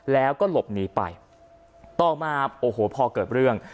แล้วก็หลบหนีไปต่อมาโอ้โหพอเกิดเรื่อง